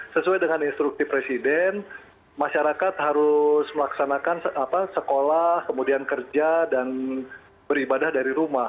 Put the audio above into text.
sesuai dengan instruksi presiden masyarakat harus melaksanakan sekolah kemudian kerja dan beribadah dari rumah